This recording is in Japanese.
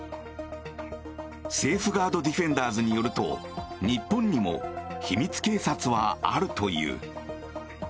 セーフガード・ディフェンダーズによると日本にも秘密警察はあるという。